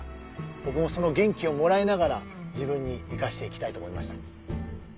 僕もその元気をもらいながら自分に生かして行きたいと思いました。